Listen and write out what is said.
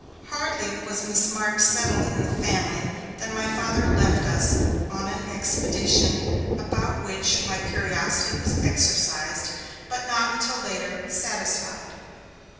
Hardly was Miss Marks settled in the family, than my Father left us on an expedition about which my curiosity was exercised, but not until later, satisfied.